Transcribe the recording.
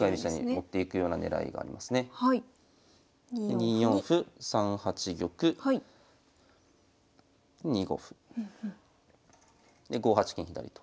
２四歩３八玉２五歩。で５八金左と。